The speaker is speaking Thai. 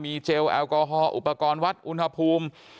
เจลแอลกอฮอลอุปกรณ์วัดอุณหภูมิ